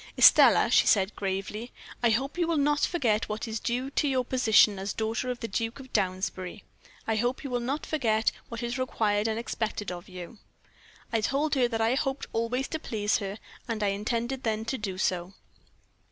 "'Estelle,' she said, gravely, 'I hope you will not forget what is due to your position as daughter of the Duke of Downsbury. I hope you will not forget what is required and expected of you.' "I told her that I hoped always to please her, and I intended then to do so.